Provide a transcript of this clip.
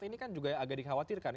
ini kan juga agak dikhawatirkan